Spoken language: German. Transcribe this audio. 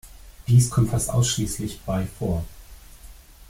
Dies kommt fast ausschließlich bei vor.